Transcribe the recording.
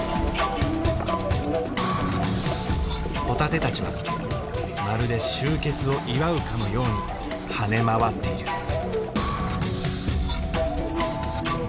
ホタテたちはまるで集結を祝うかのように跳ね回っている。